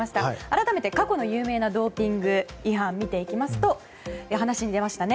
改めて、過去の有名なドーピング違反を見ていきますと話に出ました